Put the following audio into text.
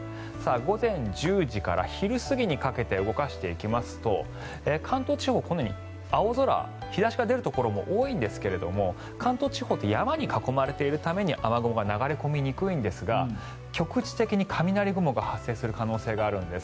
午前１０時から昼過ぎにかけて動かしていきますと関東地方、このように青空日差しが出るところも多いんですが関東地方って山に囲まれているために雨雲が流れ込みにくいんですが局地的に雷雲が発生する恐れがあるんです。